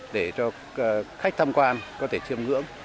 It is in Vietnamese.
để cho khách tham quan có thể chiêm ngưỡng